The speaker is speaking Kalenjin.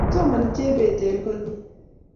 Somani Jebet eng` konyi